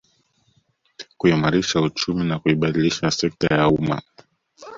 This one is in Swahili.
Kuimarisha uchumi na kuibadilisha sekta ya umma